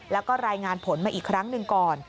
แล้วก็รายงานผลมาอีกครั้งหนึ่งก่อน